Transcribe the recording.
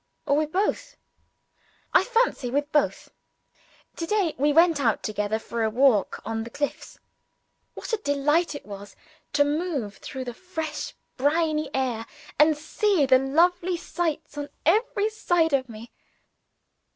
or with both? I fancy with both. To day, we went out together for a walk on the cliffs. What a delight it was to move through the fresh briny air, and see the lovely sights on every side of me!